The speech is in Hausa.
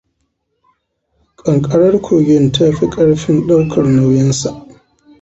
Ƙanƙarar kogin ta fi ƙarfin ɗaukar nauyinsa.